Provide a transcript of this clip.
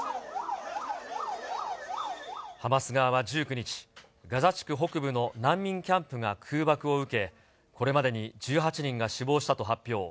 ハマス側は１９日、ガザ地区北部の難民キャンプが空爆を受け、これまでに１８人が死亡したと発表。